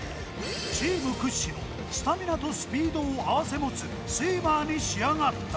チーム屈指のスタミナとスピードを併せ持つスイマーに仕上がった。